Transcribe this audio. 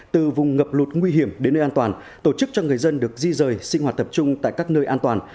từ vùng ngập lụt nguy hiểm đến nơi an toàn tổ chức cho người dân được di rời sinh hoạt tập trung tại các nơi an toàn